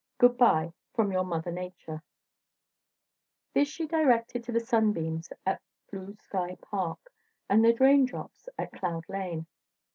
Good bye, from your Mother Nature This she directed to the Sunbeams at Blue Sky Park, and the Raindrops at Cloud Land.